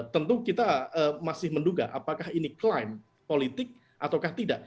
tentu kita masih menduga apakah ini klaim politik ataukah tidak